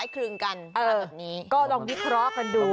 ก็ลองพิเคราะห์กันดู